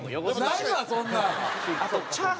ないわそんなん！